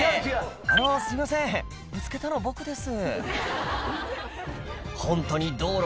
「あのすいませんぶつけたの僕です」